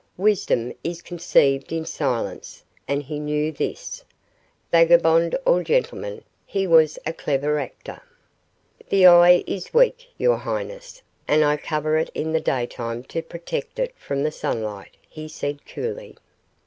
Wisdom is conceived in silence, and he knew this. Vagabond or gentleman, he was a clever actor. "The eye is weak, your highness, and I cover it in the daytime to protect it from the sunlight," he said, coolly.